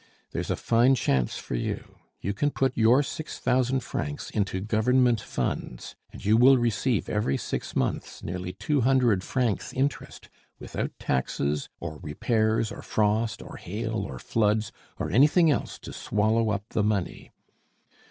There's a fine chance for you; you can put your six thousand francs into government funds, and you will receive every six months nearly two hundred francs interest, without taxes, or repairs, or frost, or hail, or floods, or anything else to swallow up the money.